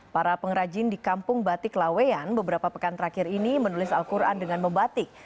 para pengrajin di kampung batik laweyan beberapa pekan terakhir ini menulis al quran dengan membatik